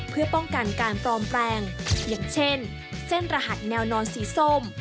เพื่อป้องกันการปลอมแปลงอย่างเช่นเส้นรหัสแนวนอนสีส้ม